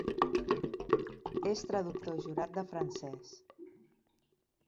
És traductor jurat de francès.